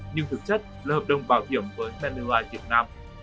nhưng thực chất là hợp đồng bảo hiểm với pennulife việt nam